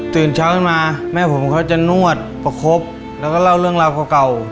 ตื่นเช้าขึ้นมาแม่ผมเขาจะนวดประคบแล้วก็เล่าเรื่องราวเก่า